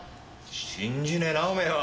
信じねえなおめえは。